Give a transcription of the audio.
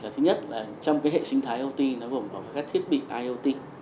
thứ nhất là trong hệ sinh thái iot